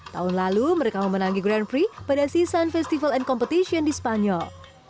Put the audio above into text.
tahun lalu mereka memenangi grand prix pada season festival and competition di spanyol